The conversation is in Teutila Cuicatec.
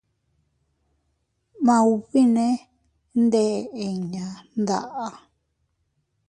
Maubinne ndeʼe inña mdaʼa.